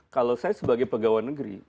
kalau saya sebagai pegawai negeri